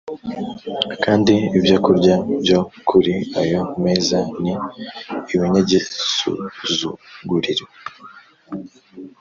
kandi ibyokurya byo kuri ayo meza ni ibinyagisuzuguriro.’